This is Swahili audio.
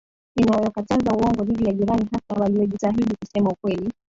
inayokataza uongo dhidi ya jirani Hata waliojitahidi kusema ukweli